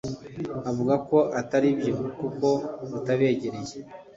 avuga ko atari byo kuko rutabegereye